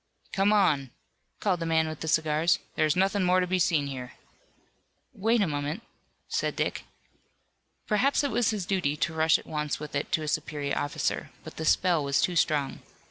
"Come on," called the man with the cigars, "there is nothing more to be seen here." "Wait a moment," said Dick. Perhaps it was his duty to rush at once with it to a superior officer, but the spell was too strong.